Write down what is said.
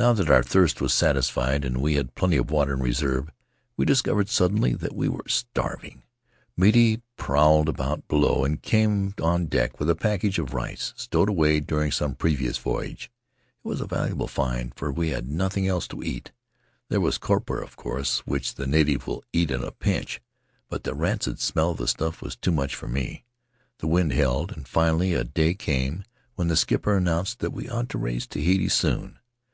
"Now that our thirst was satisfied and we had plenty of water in reserve we discovered suddenly that we were starving. Miti prowled about below and came on deck with a package of rice, stowed away during some previous voyage. It was a valuable find, for we had nothing else to eat. There was copra, of course, which the natives will eat in a pinch, but the rancid smell of the stuff was too much for me. The wind held, and finally a day came when the skipper announced that we ought to raise Tahiti soon.